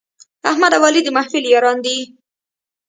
احمد او علي د محفل یاران دي.